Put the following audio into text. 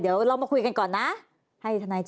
เดี๋ยวเรามาคุยกันก่อนนะ